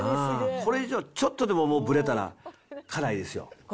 これ以上、ちょっとでもぶれたら、辛いですよ。